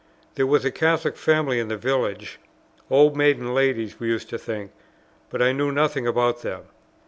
There was a Catholic family in the village, old maiden ladies we used to think; but I knew nothing about them.